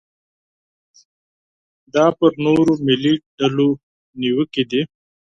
دا پر نورو ملي ډلو نیوکې دي.